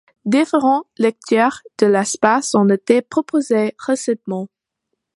Différentes lectures de l'espace ont été proposées récemment.